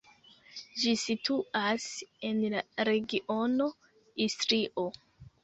Ĝi situas en la regiono Istrio.